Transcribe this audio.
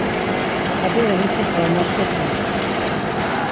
Ha bere mitis var maşletinen.